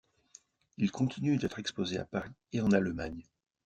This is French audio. Il continue d’être exposé à Paris et en Allemagne.